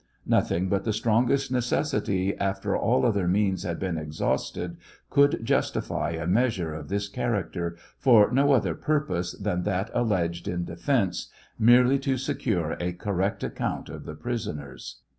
Nothing but the strongest necessity, after all other means had been exhausted, could justify a measure of this character, for no other purpose than that alleged in defence, merely to secure a correct account of the prisoners.